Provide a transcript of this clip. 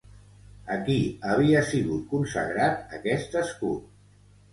A qui havia sigut consagrat aquest escut?